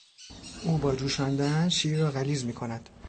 او با جوشاندن شیر را غلیظ میکند.